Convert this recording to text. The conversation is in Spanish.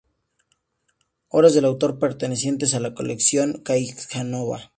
Obras del autor pertenecientes a la Colección Caixanova